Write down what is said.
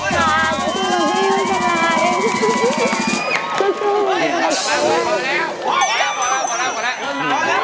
ตามคำมั่นสัญญา